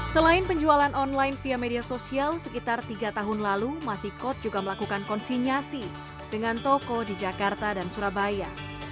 selain penjualan online via media sosial sekitar tiga tahun lalu masikot juga melakukan konsinyasi dengan toko di jakarta dan surabaya